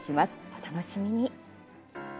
お楽しみに。